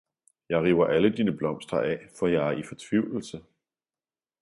Jeg river alle dine blomster af, for jeg er i fortvivlelse!